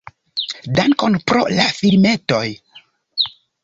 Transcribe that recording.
Dankon pro la filmetoj!"